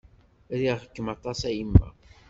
Riɣ-kem aṭas a yemma!